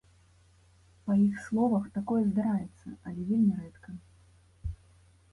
Па іх словах, такое здараецца, але вельмі рэдка.